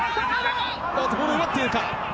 ボールを奪っているか？